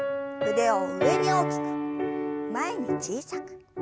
腕を上に大きく前に小さく。